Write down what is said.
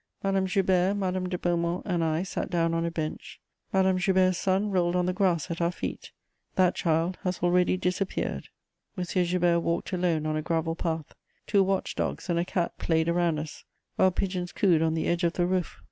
Madame Joubert, Madame de Beaumont and I sat down on a bench; Madame Joubert's son rolled on the grass at our feet; that child has already disappeared. M. Joubert walked alone on a gravel path; two watch dogs and a cat played around us, while pigeons cooed on the edge of the roof.